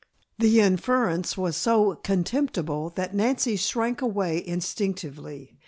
The inference was so contemptible that Nancy shrank away instinctively.